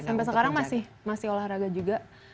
iya sampai sekarang masih masih olahraga juga